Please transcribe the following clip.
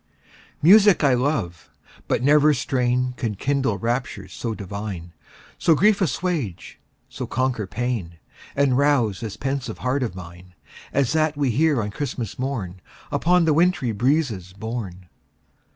Music I love but never strain Could kindle raptures so divine, So grief assuage, so conquer pain, And rouse this pensive heart of mine As that we hear on Christmas morn, Upon the wintry breezes borne.